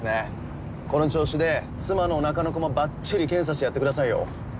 この調子で妻のおなかの子もばっちり検査してやってくださいよ。